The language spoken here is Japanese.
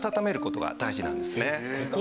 ここ？